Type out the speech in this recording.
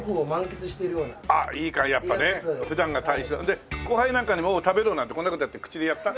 で後輩なんかに「おう食べろ」なんてこんな事やって口でやった？